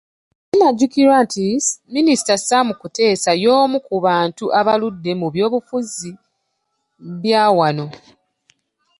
Kinajjukirwa nti Minisita Sam Kuteesa y'omu ku bantu abaludde mu byobufuzi bya wano.